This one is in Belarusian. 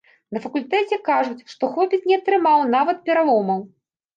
На факультэце кажуць, што хлопец не атрымаў нават пераломаў.